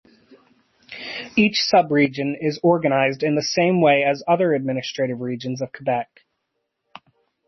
Each sub-region is organized in the same way as other administrative regions of Quebec.